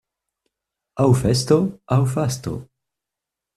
Aŭ festo, aŭ fasto.